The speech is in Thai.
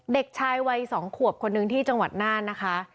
เด็กชายวัย๒ขวบคนหนึ่งที่จังหวัดน่านนะคะ